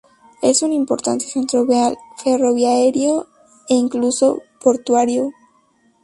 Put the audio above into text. Es un importante centro vial, ferroviario e incluso portuario.